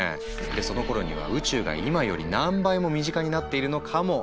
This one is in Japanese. そのころには宇宙が今より何倍も身近になっているのかも。